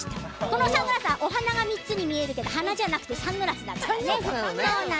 このサングラスはお鼻が３つに見えるけどお鼻じゃなくてサングラスだからね。